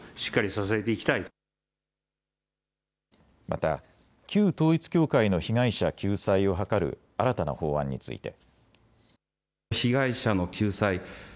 また、旧統一教会の被害者救済を図る新たな法案について。